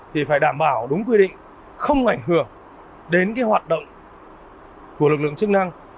thì phải đảm bảo đúng quy định không ảnh hưởng đến hoạt động của lực lượng chức năng